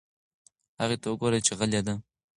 هغې ته وگوره چې غلې ده.